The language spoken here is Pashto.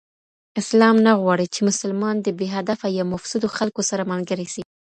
اسلام نه غواړي، چي مسلمان د بې هدفه يا مفسدو خلکو سره ملګری سي